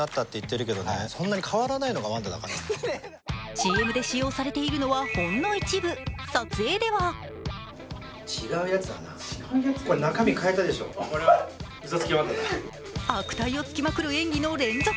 ＣＭで使用されているのはほんの一部、撮影では悪態をつきまくる演技の連続。